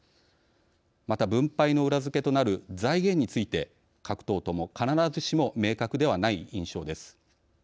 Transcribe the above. また分配の裏付けとなる財源について各党とも必ずしも明確ではない印象です。